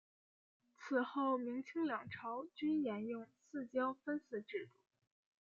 此后明清两朝均沿用四郊分祀制度。